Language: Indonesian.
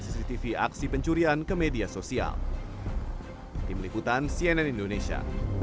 sampai jumpa di video selanjutnya